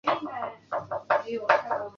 外界对于李闰珉的感情生活知道的很少。